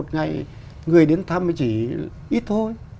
một ngày người đến thăm mới chỉ ít thôi